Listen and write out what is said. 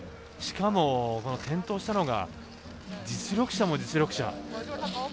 しかも、転倒したのが実力者も実力者。